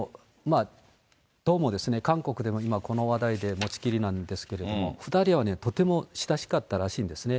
どうも韓国でも今この話題で持ちきりなんですけれども、２人はとても親しかったらしいんですね。